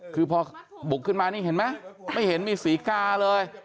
คือพอบุกขึ้นมานี่เห็นไหมไม่เห็นมีศรีกาเลย